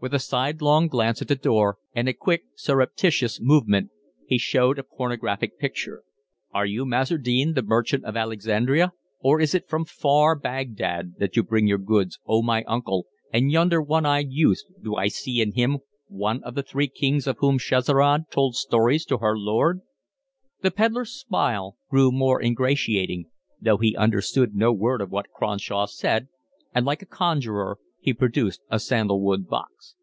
With a sidelong glance at the door and a quick surreptitious movement he showed a pornographic picture. "Are you Masr ed Deen, the merchant of Alexandria, or is it from far Bagdad that you bring your goods, O, my uncle; and yonder one eyed youth, do I see in him one of the three kings of whom Scheherazade told stories to her lord?" The pedlar's smile grew more ingratiating, though he understood no word of what Cronshaw said, and like a conjurer he produced a sandalwood box.